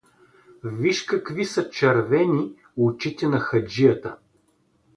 — Виж какви са червени очите на хаджият!